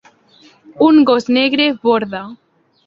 Un gos negre borda.